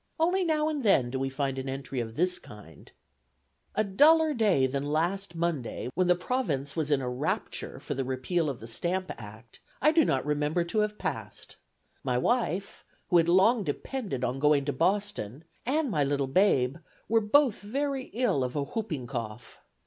Only now and then do we find an entry of this kind: "A duller day than last Monday, when the Province was in a rapture for the repeal of the Stamp Act, I do not remember to have passed. My wife, who had long depended on going to Boston, and my little babe, were both very ill, of an whooping cough.